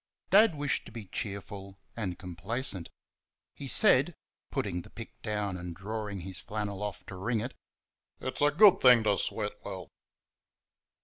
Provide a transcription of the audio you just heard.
Dad wished to be cheerful and complacent. He said (putting the pick down and dragging his flannel off to wring it): "It's a good thing to sweat well."